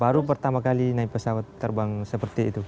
baru pertama kali naik pesawat terbang seperti itu